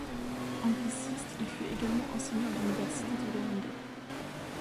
Angliciste, il fut également enseignant à l'université de Yaoundé.